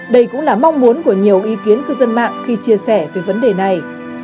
đây cũng là mong muốn của nhiều ý kiến cư dân mạng khi chia sẻ về vấn đề này